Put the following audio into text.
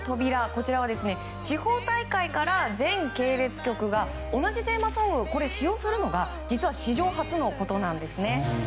こちらは地方大会から全系列局が同じテーマソングを使用するのは実は史上初のことなんですね。